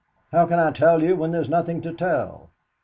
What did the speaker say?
"How can I tell you, when there's nothing to tell?